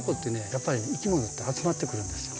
やっぱりいきものって集まってくるんですよ。